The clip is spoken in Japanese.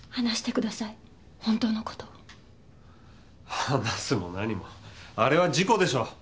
話すも何もあれは事故でしょ。